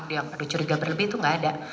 dia pada curiga berlebih itu nggak ada